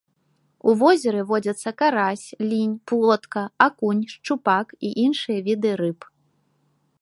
У возеры водзяцца карась, лінь, плотка, акунь, шчупак і іншыя віды рыб.